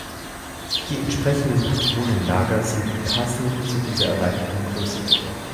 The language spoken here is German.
Die entsprechenden Patronenlager sind passend zu dieser Erweiterung größer gebohrt.